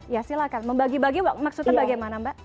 ya silahkan membagi bagi maksudnya bagaimana mbak